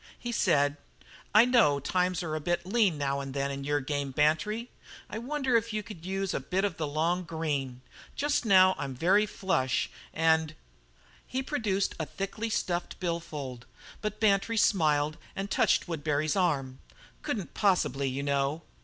He said: "I know times are a bit lean now and then in your game, Bantry. I wonder if you could use a bit of the long green? Just now I'm very flush, and " He produced a thickly stuffed bill fold, but Bantry smiled and touched Woodbury's arm. "Couldn't possibly, you know."